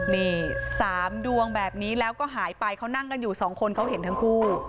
นี่๓ดวงแบบนี้แล้วก็หายไปเขานั่งกันอยู่สองคนเขาเห็นทั้งคู่